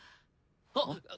あっ。